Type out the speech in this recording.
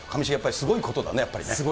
すごいことですね。